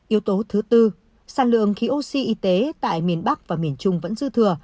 yếu tố thứ tư sản lượng khí oxy y tế tại miền bắc và miền trung vẫn dư thừa